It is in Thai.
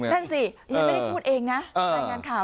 ยังไม่ได้พูดเองนะ